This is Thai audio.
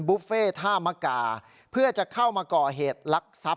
บุฟเฟ่ท่ามกาเพื่อจะเข้ามาก่อเหตุลักษัพ